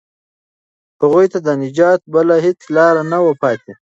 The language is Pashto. هغوی ته د نجات بله هیڅ لاره نه وه پاتې.